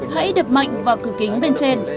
hãy đập mạnh vào cửa kính bên trên